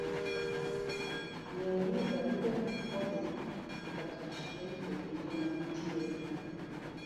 Ng'e ni, barupe modhi kokatich indiko gi ji manitiere e grup